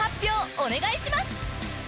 お願いします］